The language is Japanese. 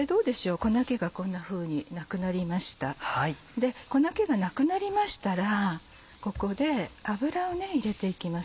粉気がなくなりましたらここで油を入れていきます。